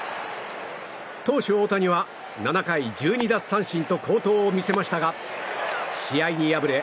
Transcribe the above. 投手・大谷は７回１２奪三振と好投を見せましたが試合に敗れ